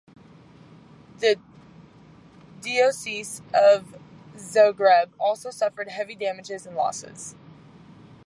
The Diocese of Zagreb also suffered heavy damages and losses.